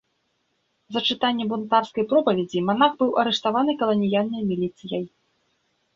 За чытанне бунтарскай пропаведзі манах быў арыштаваны каланіяльнай міліцыяй.